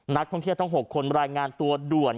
นักท่องเที่ยวทั้ง๖คนรายงานตัวด่วน